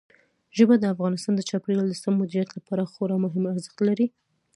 ژبې د افغانستان د چاپیریال د سم مدیریت لپاره خورا مهم ارزښت لري.